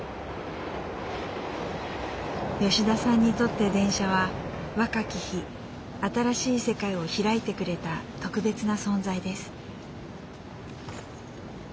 吉田さんにとって電車は若き日新しい世界を開いてくれた特別な存在です。